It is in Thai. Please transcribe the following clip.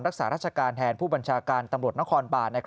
รักษาราชการแทนผู้บัญชาการตำรวจนครบาน